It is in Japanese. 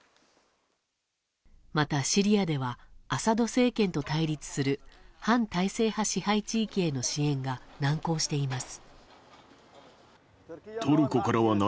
また、シリアではアサド政権と対立する反体制派支配地域への支援が難航しています。